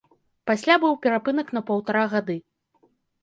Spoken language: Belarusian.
Пасля быў перапынак на паўтара гады.